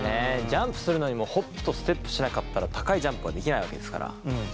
ジャンプするのにもホップとステップしなかったら高いジャンプはできないわけですから。